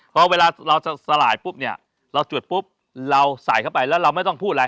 พอเวลาเราจะสลายปุ๊บเนี่ยเราจุดปุ๊บเราใส่เข้าไปแล้วเราไม่ต้องพูดอะไร